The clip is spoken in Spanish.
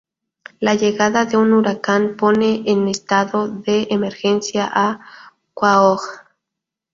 La llegada de un huracán pone en estado de emergencia a Quahog.